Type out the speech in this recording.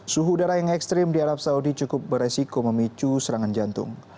suhu udara yang ekstrim di arab saudi cukup beresiko memicu serangan jantung